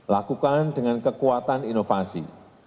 lakukan dengan kekuatan inovasi